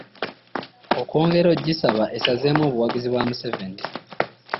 Okwongera okugisaba esazeemu obuwanguzi bwa Museveni